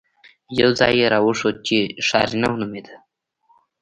يو ځاى يې راوښود چې ښارنو نومېده.